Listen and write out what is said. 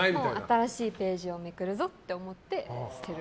新しいページをめくるぞって思って、捨てる。